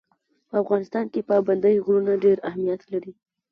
په افغانستان کې پابندی غرونه ډېر اهمیت لري.